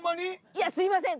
いやすいません